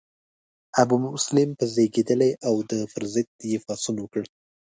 ابومسلم په زیږیدلی او د پر ضد یې پاڅون وکړ.